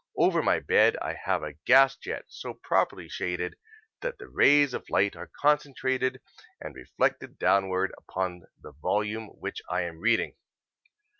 Over my bed I have a gas jet so properly shaded that the rays of light are concentrated and reflected downward upon the volume which I am reading.